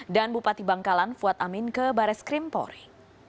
dan bupati bangkalan fuad amin ke bares krimpori